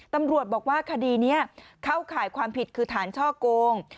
ตำรวจบอกว่าคดีนี้เข้าข่ายความผิดคือฐานช่อโกง